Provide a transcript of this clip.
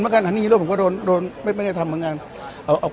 เหมือนกันอันนี้ผมก็โดนโดนไม่ไม่ได้ทำวงงานเอาเอา